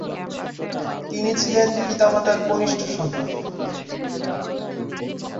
তিনি ছিলেন পিতা-মাতার কনিষ্ঠ সন্তান।